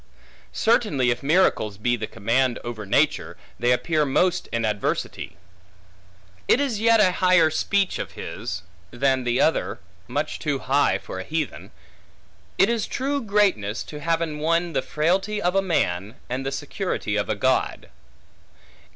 Certainly if miracles be the command over nature, they appear most in adversity. It is yet a higher speech of his, than the other (much too high for a heathen), It is true greatness, to have in one the frailty of a man, and the security of a God.